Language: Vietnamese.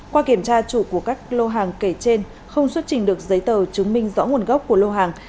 qua kiểm tra chủ của các lô hàng kể trên không xuất trình được giấy tờ chứng minh rõ nguồn gốc của lô hàng